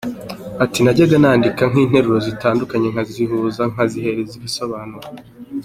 Ati Najyaga nandika nk’interuro zitandukanye. Nkazihuza Nkazihereza ibisobanuro.